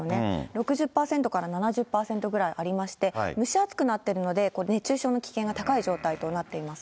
６０％から７０％ぐらいありまして、蒸し暑くなってるので、熱中症の危険が高い状態となっています。